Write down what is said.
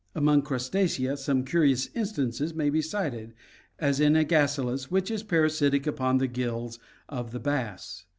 Among Crustacea some curious instances may be cited, as in JSr gasilus (Fig. 45,A), which is parasitic upon the gills of the bass.